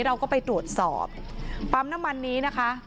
เราก็ไปตรวจสอบปั๊มน้ำมันนี้นะคะ